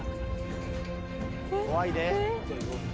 怖いで。